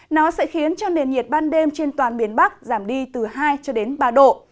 nó sẽ khiến cho nền nhiệt ban đêm trên toàn miền bắc giảm đi từ hai cho đến ba độ